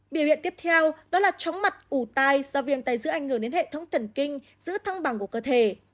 biểu hiện tiếp theo đó là chóng mặt ủ tai do viêm tay giữa ảnh hưởng đến hệ thống thần kinh giữ thăng bằng của cơ thể